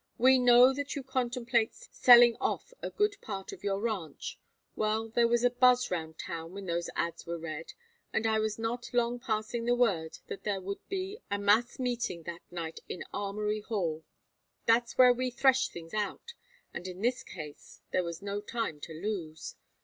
We know that you contemplate selling off a good part of your ranch Well, there was a buzz round town when those ads were read, and I was not long passing the word that there would be a mass meeting that night in Armory Hall. That's where we thresh things out, and in this case there was no time to lose.